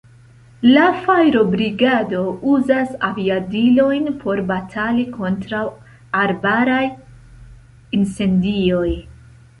La fajrobrigado uzas aviadilojn por batali kontraŭ arbaraj incendioj.